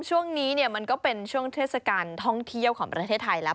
ช่วงนี้มันก็เป็นช่วงเทศกาลท่องเที่ยวของประเทศไทยแล้ว